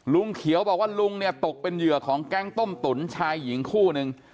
ลุงเขียวบอกว่าลุงเนี่ยตกเป็นเหยื่อของแก๊งต้มตุ๋นชายหญิงคู่นึง